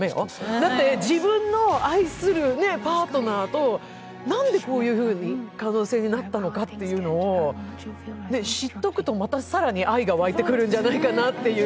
だって自分の愛するパートナーとなんでこういうふうに、可能性になったのかを知っておくと、また更に愛がわいてくるんじゃないかなって。